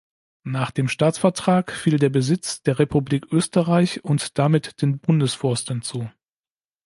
Nach dem Staatsvertrag fiel der Besitz der Republik Österreich und damit den Bundesforsten zu.